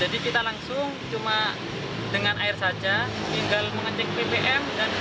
jadi kita langsung cuma dengan air saja tinggal mengecek ppm